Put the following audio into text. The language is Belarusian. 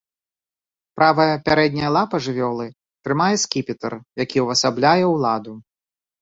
Правая пярэдняя лапа жывёлы трымае скіпетр, які ўвасабляе ўладу.